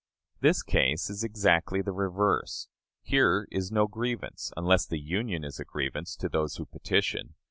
This case is exactly the reverse. Here is no grievance, unless the Union is a grievance to those who petition.